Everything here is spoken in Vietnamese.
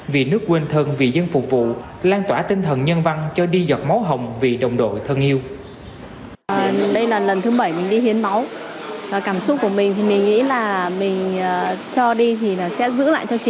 vì nước quên thân vì dân phục vụ lan tỏa tinh thần nhân văn cho đi giọt máu hồng vì đồng đội thân yêu